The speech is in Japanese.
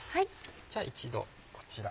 じゃあ一度こちら。